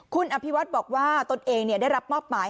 คุณอภิวัฒน์บอกว่าตนเองได้รับมอบหมาย